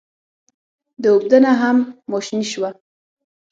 د اوبدنه هم ماشیني شوه.